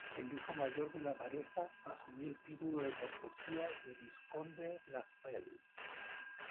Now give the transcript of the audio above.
El hijo mayor de la pareja asumió el título de cortesía de vizconde Lascelles.